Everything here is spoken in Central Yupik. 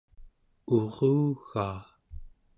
urugaa